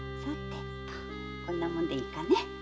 こんなもんでいいかね？